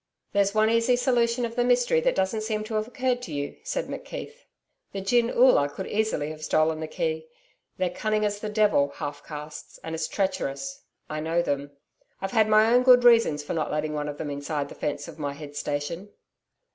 'There's one easy solution of the mystery that doesn't seem to have occurred to you,' said McKeith. 'The gin Oola could easily have stolen the key they're cunning as the devil half castes and as treacherous I know them I've had my own good reasons for not letting one of them inside the fence of my head station.'